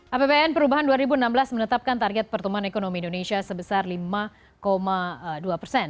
apbn perubahan dua ribu enam belas menetapkan target pertumbuhan ekonomi indonesia sebesar lima dua persen